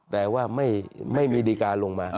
แต่ว่าไม่มีดีการลงมา